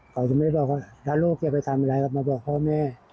เขาจะไม่ได้บอกว่าถ้าลูกจะไปทำอะไรก็มาบอกพ่อแม่